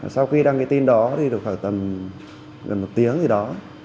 sau khi đăng tin đó gần một tiếng gì đó